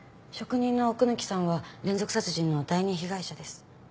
職人の奥貫さんは連続殺人の第２被害者です。